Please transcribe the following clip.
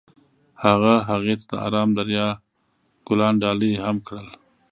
هغه هغې ته د آرام دریا ګلان ډالۍ هم کړل.